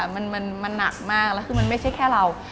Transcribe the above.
มันหนักมากแล้วคือมันไม่ใช่แค่เรา